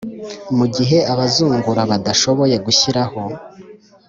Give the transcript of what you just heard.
Mu gihe abazungura badashoboye gushyiraho